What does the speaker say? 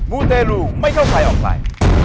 มูเตรลูไม่เข้าใครออกใคร